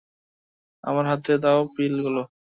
আমার হাতে দাও পিলগুলো!